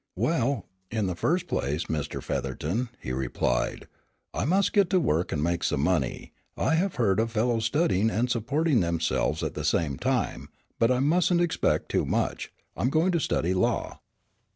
"Well, in the first place, Mr. Featherton," he replied, "I must get to work and make some money. I have heard of fellows studying and supporting themselves at the same time, but I musn't expect too much. I'm going to study law."